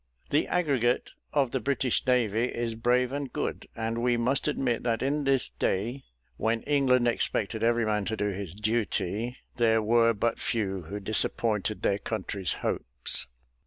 The aggregate of the British navy is brave and good; and we must admit that in this day "when England expected every man to do his duty," there were but few who disappointed their country's hopes.